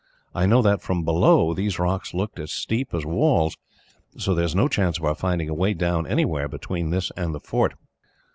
I know that, from below, these rocks looked as steep as walls, so there is no chance of our finding a way down anywhere, between this and the fort."